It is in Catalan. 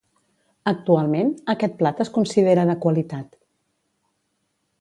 Actualment, aquest plat es considera de qualitat.